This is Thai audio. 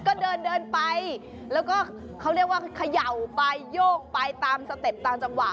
ก็เดินเดินไปแล้วก็เขาเรียกว่าเขย่าไปโยกไปตามสเต็ปตามจังหวะ